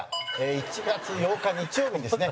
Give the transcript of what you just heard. １月８日、日曜日にですね